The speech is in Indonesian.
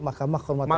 mahkamah kehormatan mk